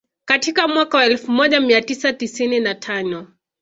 katika mwaka wa elfu moja mia tisa tisini na tano